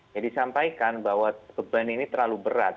jadi disampaikan bahwa keben ini terlalu berat